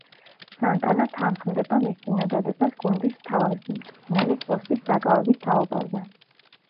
სანტანა თანხმდება მის წინადადებას გუნდის მთავარი მწვრთნელის პოსტის დაკავების თაობაზე.